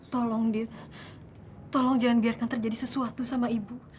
tolong dit tolong jangan biarkan terjadi sesuatu sama ibu